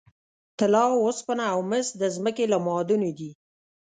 طلا، اوسپنه او مس د ځمکې له معادنو دي.